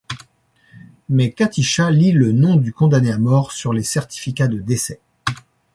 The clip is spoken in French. Mais Katisha lit le nom du condamné à mort sur les certificats de décès.